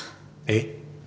えっ？